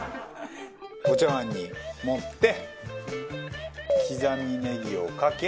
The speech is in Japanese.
お茶碗に盛って刻みネギをかけ。